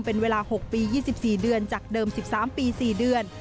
เป็นเวลา๖ปี๒๔เดือนจากเดิม๑๓ปี๔เดือน